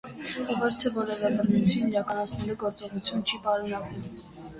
Ուղերձը որևէ բռնություն իրականացնելու գործողություն չի պարունակում։